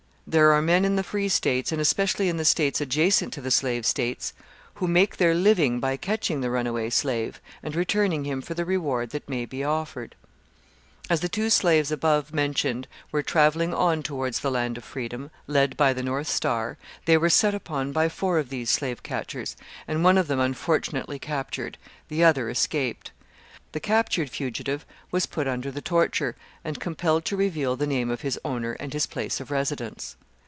There are men in the Free States, and especially in the states adjacent to the Slave States, who make their living by catching the runaway slave, and returning him for the reward that may be offered. As the two slaves above mentioned were travelling on towards the land of freedom, led by the North Star, they were set upon by four of these slave catchers, and one of them unfortunately captured. The other escaped. The captured fugitive was put under the torture, and compelled to reveal the name of his owner and his place of residence.